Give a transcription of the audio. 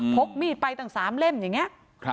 กมีดไปตั้ง๓เล่มอย่างนี้